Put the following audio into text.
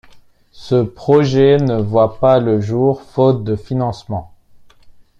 Ce projet ne voit pas le jour, faute de financement.